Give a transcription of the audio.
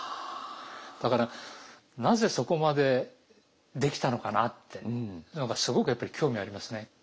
だからなぜそこまでできたのかなっていうのがすごくやっぱり興味がありますね。